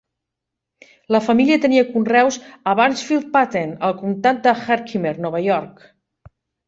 La família tenia conreus a Burnetsfield Patent, al comtat de Herkimer, Nova York.